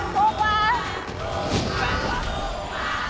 ถูกกว่า